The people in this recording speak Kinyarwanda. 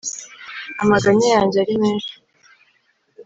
amaganya yanjye ari menshi,